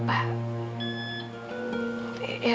kamu harus beristirahat